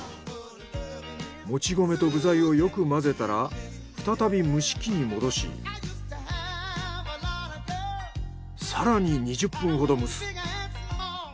もち米と具材をよく混ぜたら再び蒸し器に戻し更に２０分ほど蒸す。